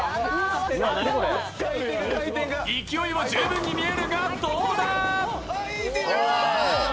勢いは十分に見えるがどうだ。